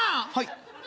はい。